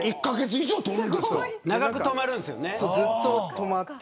長く泊まるんですよね。